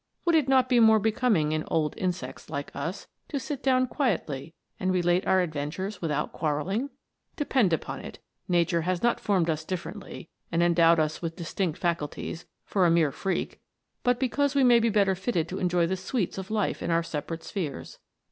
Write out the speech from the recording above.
Would it not be more becoming in old insects like us to sit down quietly, and relate our adventures without quarrelling 1 Depend upon it, Nature has not formed us dif ferently, and endowed us with distinct faculties, for a mere freak, but because we may be better fitted to enjoy the sweets of life in our separate spheres.